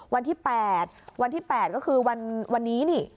วันที่๘ก็คือวันนี้นี่